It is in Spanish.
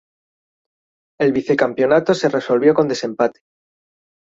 El vicecampeonato se resolvió con desempate.